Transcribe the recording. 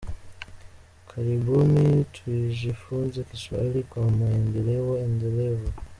Karibuni tujifunze Kiswahili kwa maendeleo endelevu.